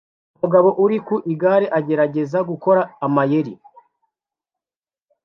Umugabo uri ku igare agerageza gukora amayeri